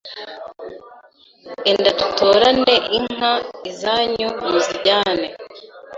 Enda dutorane inka izanyu muzijyane